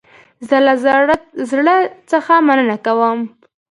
زه له زړه څخه مننه کوم